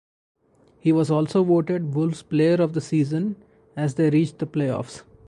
He was also voted Wolves' Player of the Season as they reached the play-offs.